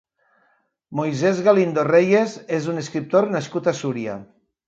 Moisés Galindo Reyes és un escriptor nascut a Súria.